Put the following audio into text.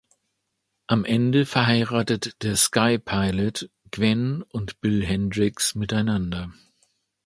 Am Ende verheiratet der Sky Pilot Gwen und Bill Hendricks miteinander.